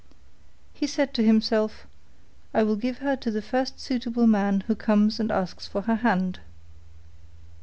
He said to himself, 'I will give her to the first suitable man who comes and asks for her hand.